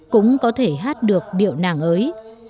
cũng có thể hát được điệu nàng ới